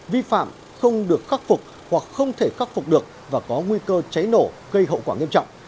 vi phạm không được khắc phục hoặc không thể khắc phục được và có nguy cơ cháy nổ gây hậu quả nghiêm trọng